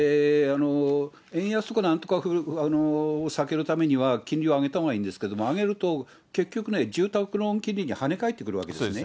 円安とかを避けるためには、金利は上げたほうがいいんですけど、上げると結局ね、住宅ローン金利にはね返ってくるわけですね。